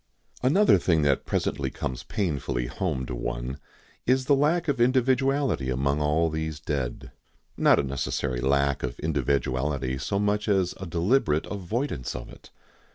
Another thing that presently comes painfully home to one is the lack of individuality among all these dead. Not a necessary lack of individuality so much as a deliberate avoidance of it.